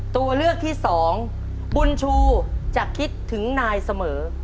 ตัวเลือกที่สองบุญชูจะคิดถึงนายเสมอ